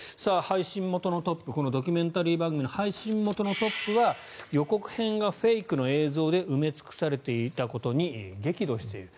ドキュメンタリー番組の配信元のトップは予告編がフェイクの映像で埋め尽くされていたことに激怒していると。